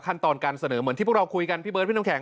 ขั้นตอนการเสนอเหมือนที่พวกเราคุยกันพี่เบิร์พี่น้ำแข